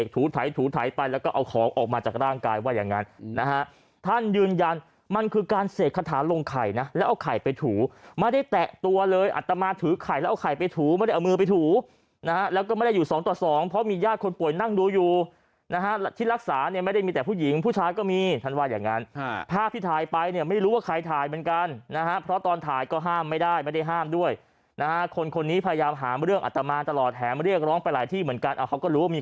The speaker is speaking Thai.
ถูทัยถูทัยไปแล้วก็เอาของออกมาจากร่างกายว่าอย่างนั้นนะฮะท่านยืนยันมันคือการเศรษฐานลงไข่นะแล้วไข่ไปถูไม่ได้แตะตัวเลยอัตมาถือไข่แล้วไข่ไปถูไม่ได้เอามือไปถูนะแล้วก็ไม่ได้อยู่สองต่อสองเพราะมีญาติคนป่วยนั่งดูอยู่นะฮะที่รักษาเนี่ยไม่ได้มีแต่ผู้หญิงผู้ชายก็มีท่านว่าอย่างนั้นภาพที่ถ่ายไปเนี่